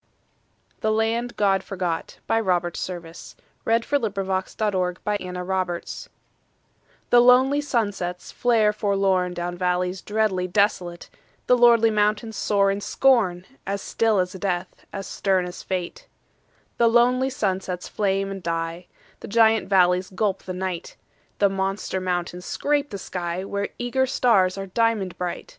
and Other Verses — THE LAND GOD FORGOTRobert William Service THE LAND GOD FORGOT The lonely sunsets flare forlorn Down valleys dreadly desolate; The lordly mountains soar in scorn As still as death, as stern as fate. The lonely sunsets flame and die; The giant valleys gulp the night; The monster mountains scrape the sky, Where eager stars are diamond bright.